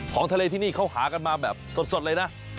ของทะเลที่นี่เขาหากันมาแบบสดเลยนะ